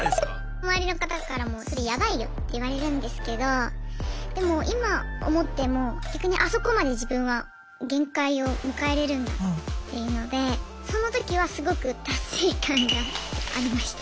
周りの方からもそれヤバいよって言われるんですけどでも今思っても逆にあそこまで自分は限界を迎えれるんだっていうのでその時はすごく達成感がありました。